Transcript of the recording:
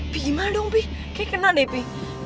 bi gimana dong bi kayaknya kena deh bi